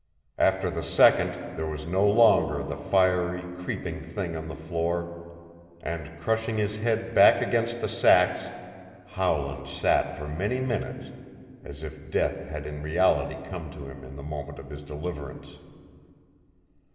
After the second there was no longer the fiery, creeping thing on the floor, and, crushing his head back against the sacks, Howland sat for many minutes as if death had in reality come to him in the moment of his deliverance.